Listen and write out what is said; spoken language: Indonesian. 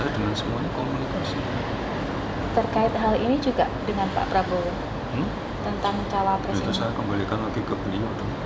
dan sudah saya laporkan ke bni